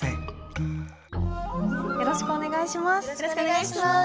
よろしくお願いします。